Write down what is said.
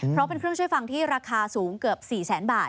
เพราะเป็นเครื่องช่วยฟังที่ราคาสูงเกือบ๔แสนบาท